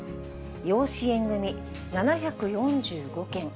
養子縁組み７４５件。